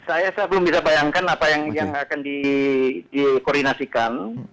saya belum bisa bayangkan apa yang akan di koordinasikan